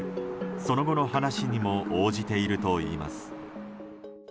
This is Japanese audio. その後の話にも応じているといいます。